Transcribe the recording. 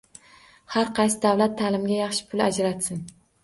Har qaysi davlat taʼlimga yaxshi pul ajratsin